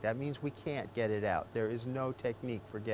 itu berarti kita tidak bisa mengembalikannya